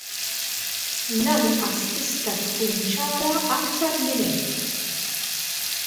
Lanqas tista' tkun ċara aktar minn hekk.